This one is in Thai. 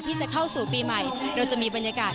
ที่จะเข้าสู่ปีใหม่เราจะมีบรรยากาศ